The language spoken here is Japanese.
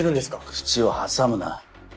口を挟むな。